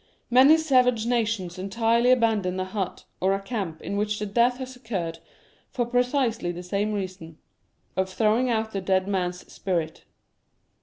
Many savage nations entirely abandon a hut or a camp in which a death has occurred for precisely the same reason — of throwing out the dead man's spirit.